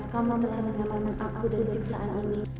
kamu menemani aku dari siksa ini